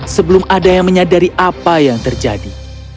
sebelum ada yang menyadari apa yang terjadi